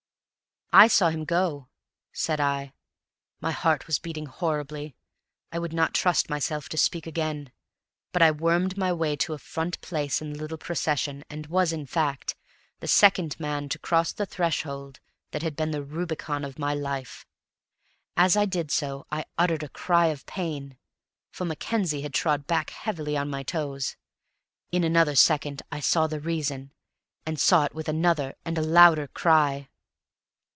"I saw him go," said I. My heart was beating horribly. I would not trust myself to speak again. But I wormed my way to a front place in the little procession, and was, in fact, the second man to cross the threshold that had been the Rubicon of my life. As I did so I uttered a cry of pain, for Mackenzie had trod back heavily on my toes; in another second I saw the reason, and saw it with another and a louder cry.